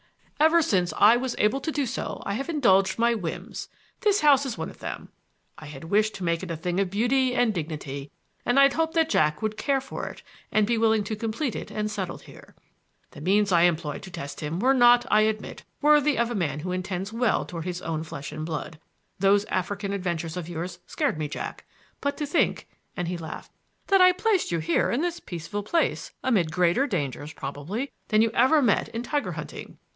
Ever since I was able to do so I have indulged my whims. This house is one of them. I had wished to make it a thing of beauty and dignity, and I had hoped that Jack would care for it and be willing to complete it and settle here. The means I employed to test him were not, I admit, worthy of a man who intends well toward his own flesh and blood. Those African adventures of yours scared me, Jack; but to think"—and he laughed—"that I placed you here in this peaceful place amid greater dangers probably than you ever met in tiger hunting!